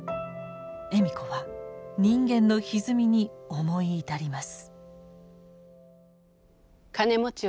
笑子は人間のひずみに思い至ります。